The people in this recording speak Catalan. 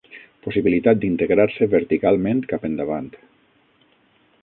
Possibilitat d'integrar-se verticalment cap endavant.